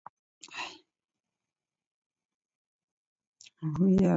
Kwapoilwa kudamba kwa mtorori andu igare jha mosi?